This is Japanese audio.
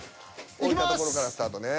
置いたところからスタートね。